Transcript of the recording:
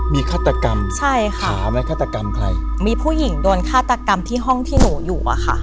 มีฆาตกรรมใช่ค่ะหาไม่ฆาตกรรมใครมีผู้หญิงโดนฆาตกรรมที่ห้องที่หนูอยู่อ่ะค่ะ